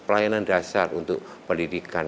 pelayanan dasar untuk pendidikan